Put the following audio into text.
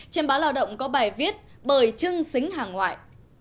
trên báo lào động có bài viết bởi chưng xính hàng ngoại